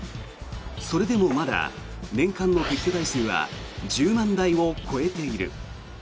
それでもまだ年間の撤去台数は１０万台を超えている。